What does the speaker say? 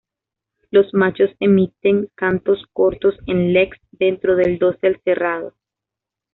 Los machos emiten cantos cortos en "leks", dentro del dosel cerrado.